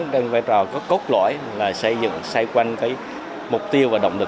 cái vai trò có cốt lõi là xây quanh mục tiêu và động lực